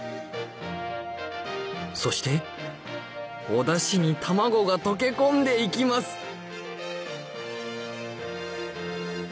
そしておダシに卵が溶け込んでいきます